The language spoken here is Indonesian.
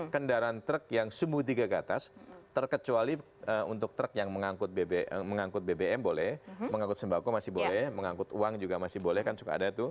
kendaraan truk yang sumbu tiga ke atas terkecuali untuk truk yang mengangkut bbm boleh mengangkut sembako masih boleh mengangkut uang juga masih boleh kan suka ada tuh